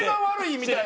みたいな。